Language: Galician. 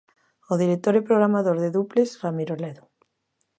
O director e programador de Dúplex, Ramiro Ledo.